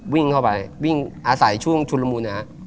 วิ่งเข้าไปอาศัยช่วงชุนรมูนา